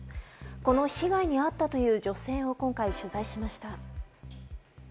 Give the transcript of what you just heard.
この被害に遭ったという女性を今回、取材しました。